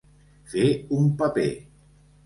Fer un paper.